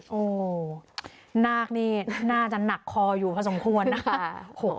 โอ้โหนาคนี่น่าจะหนักคออยู่พอสมควรนะคะ